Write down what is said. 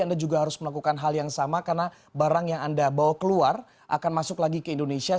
anda juga harus melakukan hal yang sama karena barang yang anda bawa keluar akan masuk lagi ke indonesia